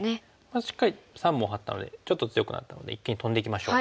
しっかり３本ハッたのでちょっと強くなったので一間にトンでいきましょう。